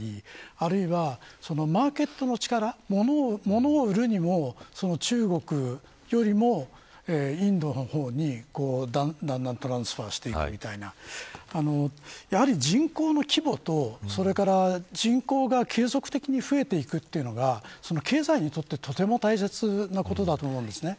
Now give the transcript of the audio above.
あるいは、マーケットの力物を売るにも、中国よりもインドの方にだんだんトランスファーしていくみたいな人口の規模と、人口が継続的に増えていくというのが経済にとって大切なことだと思うんです。